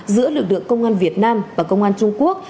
giữa lực lượng công an việt nam và công an trung quốc